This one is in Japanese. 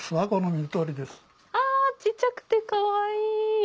あ小っちゃくてかわいい！